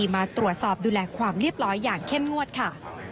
มาตรวจสอบดูแลความเรียบร้อยอย่างเข้มงวดค่ะ